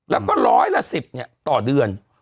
แล้วก็ร้อยละ๑๐ต่อเดือน